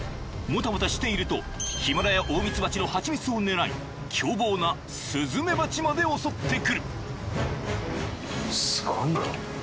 ［もたもたしているとヒマラヤオオミツバチのハチミツを狙い凶暴なスズメバチまで襲ってくる］